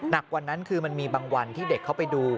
หนักกว่านั้นคือมันมีบางวันที่เด็กเขาไปดู